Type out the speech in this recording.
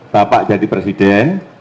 pak pak jadi presiden